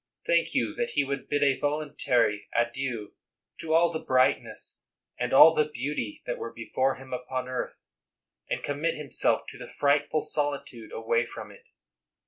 Think you that he would bid a voluntary adieu to all the brightness and all the beauty that were before him upon earth, and commit himself to the frightful solitude away from it?